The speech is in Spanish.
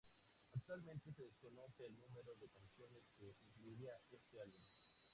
Actualmente se desconoce el número de canciones que incluirá este álbum.